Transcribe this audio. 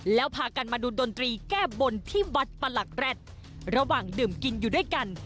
แล้วพากันมาดูดนตรีแก้บนที่วัดประหลักแร็ดระหว่างดื่มกินอยู่ด้วยกัน